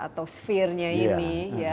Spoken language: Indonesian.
atau spherenya ini